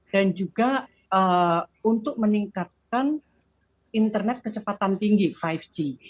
dan juga untuk meningkatkan internet kecepatan tinggi lima g